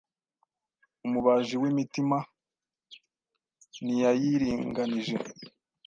Umubaji w’imitima ntiyayiringanije,